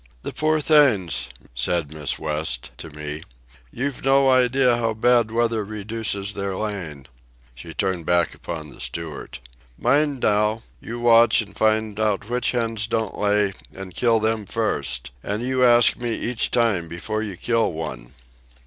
"The poor things," said Miss West—to me. "You've no idea how bad weather reduces their laying." She turned back upon the steward. "Mind now, you watch and find out which hens don't lay, and kill them first. And you ask me each time before you kill one."